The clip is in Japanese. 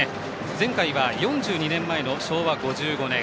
前回は４２年前の昭和５５年。